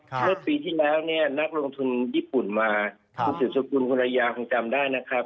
ครับปีที่แล้วนักลงทุนญี่ปุ่นมาสุสุกุลฮุรยาคงจำได้นะครับ